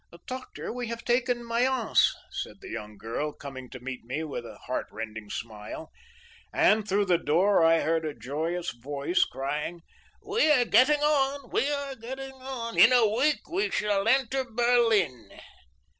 "'Doctor, we have taken Mayence,' said the young girl, coming to meet me with a heartrending smile, and through the door I heard a joyous voice crying:—"'We are getting on. We are getting on. In a week we shall enter Berlin.